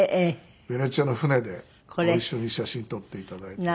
ベネチアの船でご一緒に写真撮って頂いて。